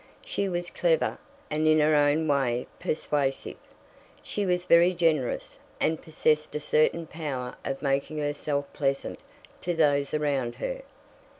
She was clever, and in her own way persuasive. She was very generous, and possessed a certain power of making herself pleasant to those around her.